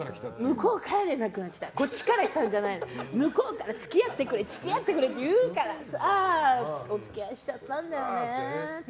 向こうから連絡が来たってこっちからじゃなくて向こうから付き合ってくれ付き合ってくれっていうからさお付き合いしちゃったんだよねと。